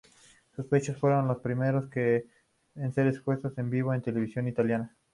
Sus pechos fueron los primeros en ser expuestos en vivo en la televisión italiana.